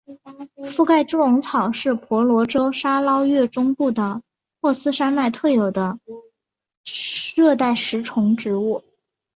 附盖猪笼草是婆罗洲沙捞越中部的霍斯山脉特有的热带食虫植物。